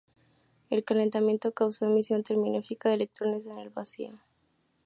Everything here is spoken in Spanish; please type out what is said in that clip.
El calentamiento causa emisión termoiónica de electrones en el vacío.